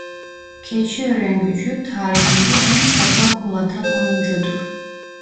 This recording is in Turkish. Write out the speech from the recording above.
Keçiörengücü tarihinde en fazla gol atan oyuncudur.